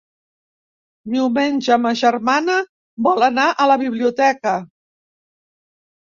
Diumenge ma germana vol anar a la biblioteca.